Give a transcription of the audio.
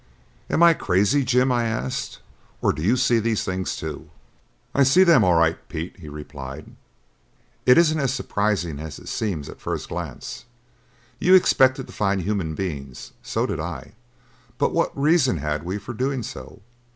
"Am I crazy, Jim," I asked, "or do you see these things too?" "I see them all right, Pete," he replied. "It isn't as surprising as it seems at first glance. You expected to find human beings; so did I, but what reason had we for doing so?